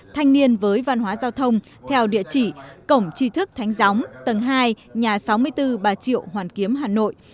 thanh niên với văn hóa giao thông theo địa chỉ cổng chi thức thánh gióng tầng hai nhà sáu mươi bốn bà triệu hoàn kiếm hà nội